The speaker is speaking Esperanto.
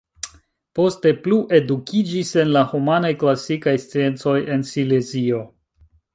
Poste plu edukiĝis en la humanaj-klasikaj sciencoj en Silezio.